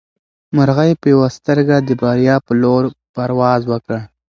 مرغۍ په یوه سترګه د بریا په لور پرواز وکړ.